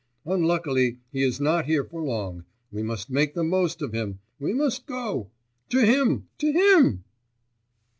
Unluckily, he is not here for long. We must make the most of him; we must go. To him, to him!